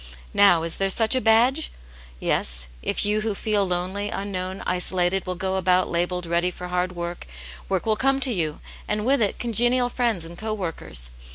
Now, is there such a badge ? Yes, if you who feel lonely, unknown, isolated will go about labelled ready for hard work, work will come to you, and with it congenial friends and co workers.